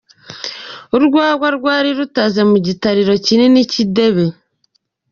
Urwagwa rwari rutaze mu gitariro kinini cy'idebe.